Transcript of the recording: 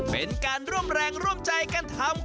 เป็นการร่วมแรงร่วมใจกันทำ